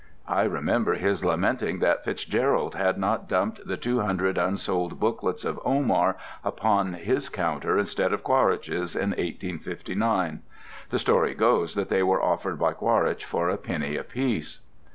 I remember his lamenting that FitzGerald had not dumped the two hundred unsold booklets of Omar upon his counter instead of Quaritch's in 1859. The story goes that they were offered by Quaritch for a penny apiece.